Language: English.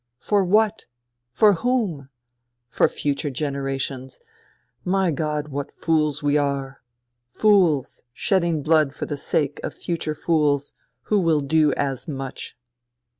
For what ? For whom ?... For future generations I My God, what fools we are ! Fools shedding blood for the sake of future fools, who will do as much